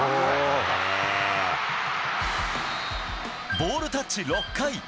ボールタッチ６回。